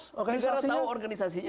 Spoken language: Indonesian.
negara tau organisasinya